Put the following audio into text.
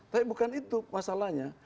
tapi bukan itu masalahnya